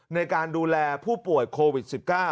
ในการดูแลผู้ป่วยโควิด๑๙